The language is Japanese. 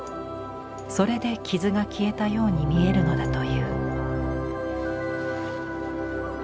それで傷が消えたように見えるのだという。